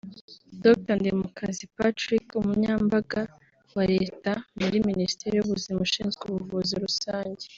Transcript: Dr Ndimubanzi Patrick Umunyambanga wa Leta muri Ministeri y’ubuzima ushinzwe ubuvuzi rusange